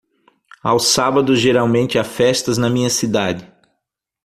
Aos sábados geralmente há festas na minha cidade.